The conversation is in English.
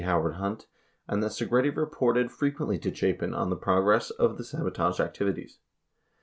Howard Hunt, and that Segretti reported fre quently to Chapin on the progress of the sabotage activities.